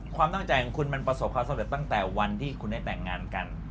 ความตั้งใจของคุณมันประสบความสำเร็จตั้งแต่วันที่คุณได้แต่งงานกัน